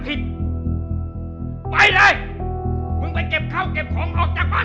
ไปผมไม่อยากเห็นหน้าผมแล้ว